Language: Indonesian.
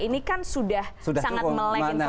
ini kan sudah sangat meleleh